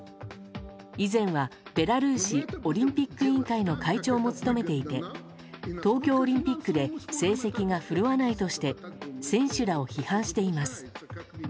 以前は、ベラルーシオリンピック委員会の会長も務めていて、東京オリンピックで成績が振るわないとして選手らを批判しています。